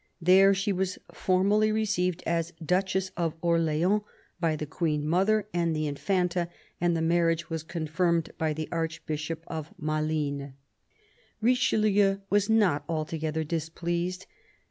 There she was formally received as Duchess of Orleans by the Queen mother and the Infanta, and the marriage was confirmed by the Archbishop of Malines. Richelieu was not altogether displeased.